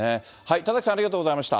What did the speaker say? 田崎さん、ありがとうございました。